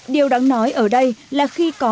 điều đáng nói ở đây là khi có